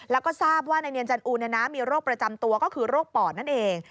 แล้วก็ทราบว่านายเนียนจันอูมีโรคประจำตัวก็คือโรคปอดนั่นเอง